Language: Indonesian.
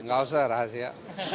gak usah rahasia